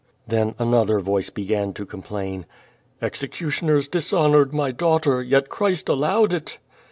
Then another voice "began to complain: 'Executioners dishonored my daughter, yet Christ al lowed it."